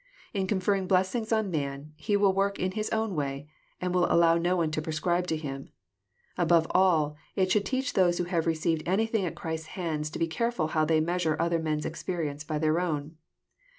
In conferring blessings on man, He will work in His own way, and will allow no one to prescribe to Him. Above all, it should teach those who have received anything at Christ's hands, to be careful how they measure otheyr men's experience by their own.